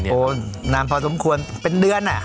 โอนนานพอสมควรเป็นเดือน